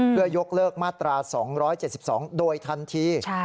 เพื่อยกเลิกมาตรา๒๗๒โดยทันที